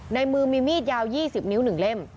ในมือมีมีดยาว๒๐นิ้ว๑เล่ม